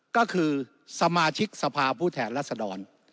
ก็คือสมาชิกสภาพผู้แทนรัศดร